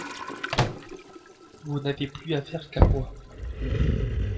Vous n’avez plus affaire qu’à moi.